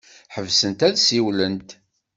Ḥebsent ad ssiwlent.